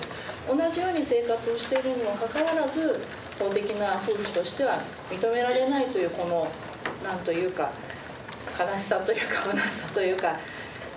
同じように生活をしているにもかかわらず法的な夫婦としては認められないというこの何というか悲しさというかむなしさというか。